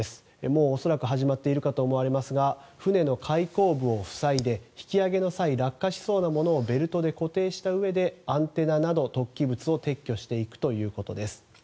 もう恐らく始まっているかと思われますが船の開口部を塞いで引き揚げの際落下しそうなものをベルトで固定したうえでアンテナなど突起物を撤去していくということです。